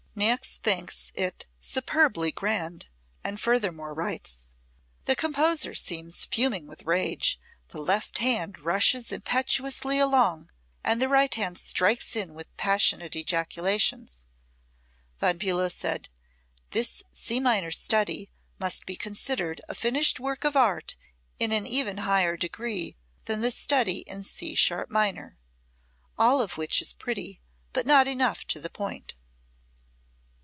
Niecks thinks it "superbly grand," and furthermore writes: "The composer seems fuming with rage; the left hand rushes impetuously along and the right hand strikes in with passionate ejaculations." Von Bulow said: "This C minor study must be considered a finished work of art in an even higher degree than the study in C sharp minor." All of which is pretty, but not enough to the point.